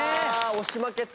押し負けた。